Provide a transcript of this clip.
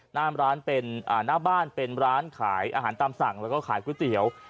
หน้าบ้านเป็นร้านขายอาหารตามสั่งแล้วก็ขายก๋วยเตี๋ยว